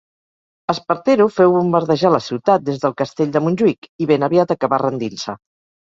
Espartero féu bombardejar la ciutat des del castell de Montjuïc, i ben aviat acabà rendint-se.